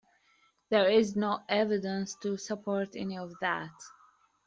There is no evidence to support any of that.